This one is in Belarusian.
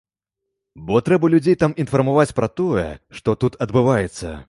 Бо трэба людзей там інфармаваць пра тое, што тут адбываецца.